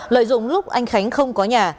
lợi dụng lúc anh khánh không có nhà